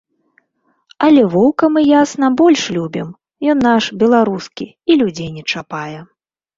Але воўка, мы ясна, больш любім, ён наш, беларускі, і людзей не чапае.